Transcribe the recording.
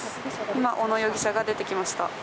今、小野容疑者が出てきました。